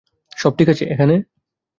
সব ঠিক আছে এখানে?